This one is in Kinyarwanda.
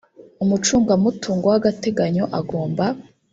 umucungamutungo w agateganyo agomba